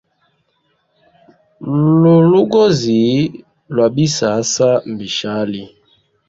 Lulugozi lwa bisasa mbishali.